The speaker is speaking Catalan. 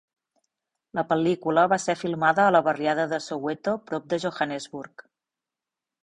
La pel·lícula va ser filmada a la barriada de Soweto, prop de Johannesburg.